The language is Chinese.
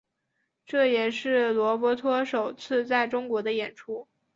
这也是罗伯托首次在中国的演出。